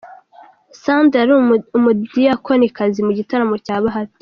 Sandra yari umudiyakonikazi mu gitaramo cya Bahati.